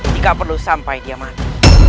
jika perlu sampai dia mati